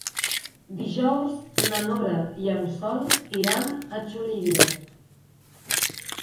Dijous na Nora i en Sol iran a Xulilla.